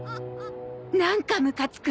なんかムカつく。